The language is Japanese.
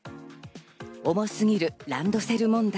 重すぎるランドセル問題。